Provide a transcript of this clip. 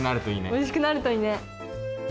おいしくなるといいね！